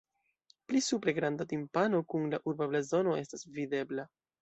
Pli supre granda timpano kun la urba blazono estas videbla.